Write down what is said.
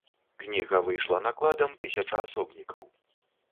Кніга выйшла накладам тысяча асобнікаў.